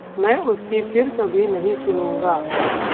मैं उसकी फिर कभी नहीं सुनूँगा।